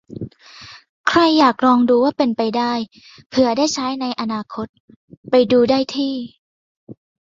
ใครอยากลองดูว่าเป็นไป เผื่อได้ใช้งานในอนาคต ไปดูได้ที่